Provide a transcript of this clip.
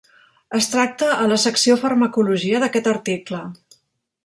Es tracta a la secció Farmacologia d'aquest article.